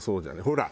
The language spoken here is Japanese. ほら！